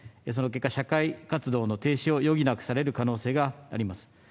その結果、社会活動の停止を余儀なくされる可能性があります。